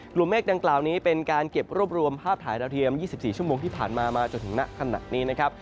เมฆดังกล่าวนี้เป็นการเก็บรวบรวมภาพถ่ายดาวเทียม๒๔ชั่วโมงที่ผ่านมามาจนถึงณขณะนี้นะครับ